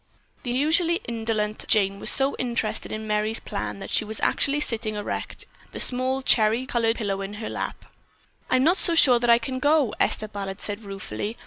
The usually indolent Jane was so interested in Merry's plan that she was actually sitting erect, the small cherry colored pillow in her lap. "I'm not so sure that I can go," Esther Ballard said ruefully.